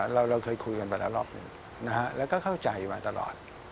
เราเคยคุยกันไปแล้วรอบหนึ่งแล้วก็เข้าใจมาตลอด